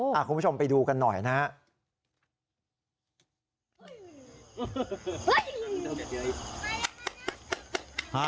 คุณผู้ชมไปดูกันหน่อยนะฮะ